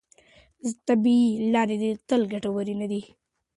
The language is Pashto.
طبیعي لارې تل ګټورې نه دي.